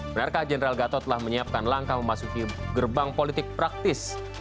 benarkah general gatot telah menyiapkan langkah memasuki gerbang politik praktis